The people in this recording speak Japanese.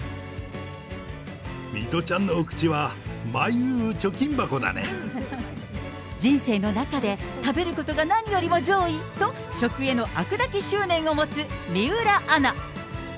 水卜ちゃんのお口は、人生の中で食べることが何よりも上位と、食への飽くなき執念を持つ水卜アナ。